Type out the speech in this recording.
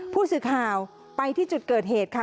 ผู้สื่อข่าวไปที่จุดเกิดเหตุค่ะ